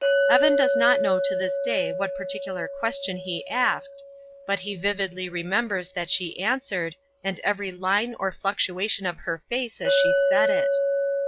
Evan does not know to this day what particular question he asked, but he vividly remembers that she answered, and every line or fluctuation of her face as she said it.